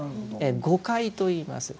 「五戒」といいます。